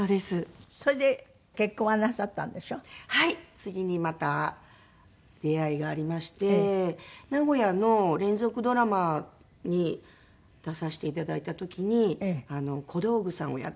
次にまた出会いがありまして名古屋の連続ドラマに出させて頂いた時に小道具さんをやっている。